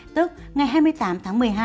tức ngày hai mươi tám một mươi hai ba một âm lịch